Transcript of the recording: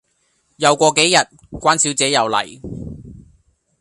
又過幾日，關小姐又黎